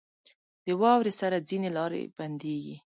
• د واورې سره ځینې لارې بندېږي.